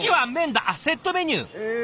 セットメニュー！